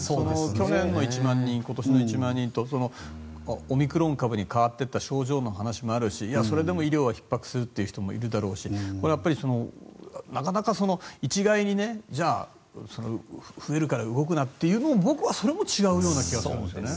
去年の１万人、今年の１万人とオミクロン株に変わっていった症状の話もあるしいや、それでも医療はひっ迫するって人もいるだろうしこれはなかなか一概に、じゃあ増えるから動くなというのも僕はそれも違うような気がするんですよね。